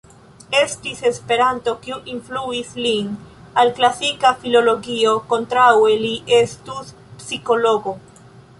Estis esperanto kiu influis lin al klasika filologio; kontraŭe li estus psikologo.